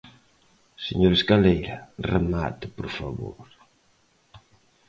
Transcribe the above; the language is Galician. Señor Escaleira, ¡remate, por favor!